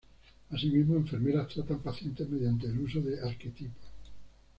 Asimismo enfermeras tratan pacientes mediante el uso de arquetipos.